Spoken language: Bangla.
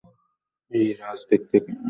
এই রাজ দেখতে কেমন?